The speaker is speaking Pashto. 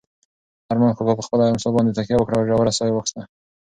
ارمان کاکا په خپله امسا باندې تکیه وکړه او ژوره ساه یې واخیسته.